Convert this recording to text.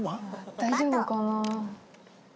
大丈夫かな？